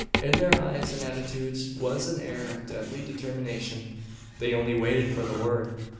In their eyes and attitudes was an air of deadly determination. They only waited for the word.